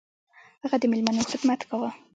هغه د میلمنو خدمت کاوه.